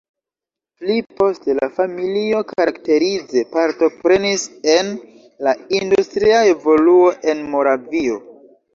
Pli poste la familio karakterize partoprenis en la industria evoluo en Moravio.